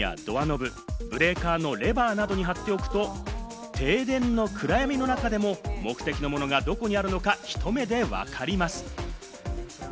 スマートフォンやドアノブ、ブレーカーのレバーなどに貼っておくと停電の暗闇の中でも目的のものがどこにあるのかひと目でわかります。